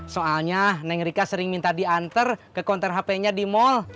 soalnya nengrika sering minta diantar ke konter hp nya di mall